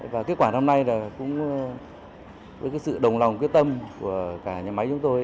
và kết quả năm nay là cũng với sự đồng lòng quyết tâm của cả nhà máy chúng tôi